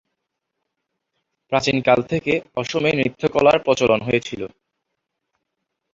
প্রাচীন কাল থেকে অসমে নৃত্য-কলার প্রচলন হয়েছিল।